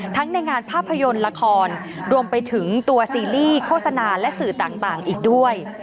ในงานภาพยนตร์ละครรวมไปถึงตัวซีรีส์โฆษณาและสื่อต่างอีกด้วย